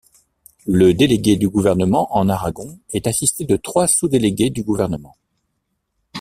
Le délégué du gouvernement en Aragon est assisté de trois sous-délégués du gouvernement.